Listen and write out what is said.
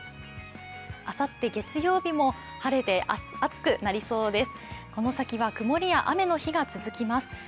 あさって月曜日も晴れで暑くなりそうです。